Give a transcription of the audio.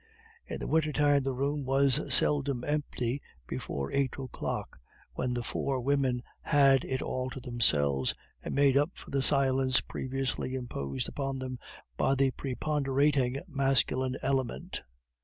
In winter time the room was seldom empty before eight o'clock, when the four women had it all to themselves, and made up for the silence previously imposed upon them by the preponderating masculine element.